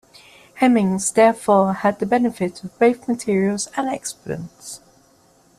Hemmings therefore had the benefit of both materials and experience.